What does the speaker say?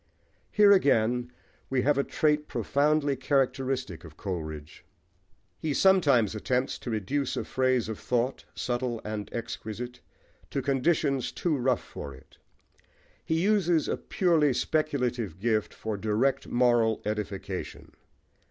Here, again, we have a trait profoundly characteristic of Coleridge. He sometimes attempts to reduce a phase of thought, subtle and exquisite, to conditions too rough for it. He uses a purely speculative gift for direct moral edification.